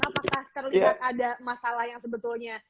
apakah terlihat ada masalah yang sebetulnya